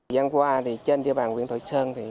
gian qua trên địa bàn huyện thoại sơn